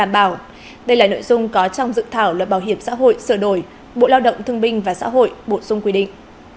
bộ lao động thương binh và xã hội bổ sung quy định